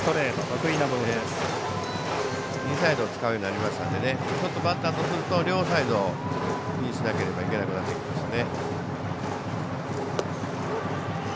インサイドを使うようになりましたのでちょっとバッターとすると両サイドを気にしなければいけなくなってますね。